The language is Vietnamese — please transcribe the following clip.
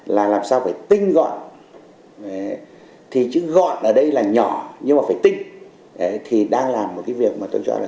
là làm sao phải tinh gọn thì chứ gọn ở đây là nhỏ nhưng mà phải tinh thì đang làm một cái việc mà tôi cho là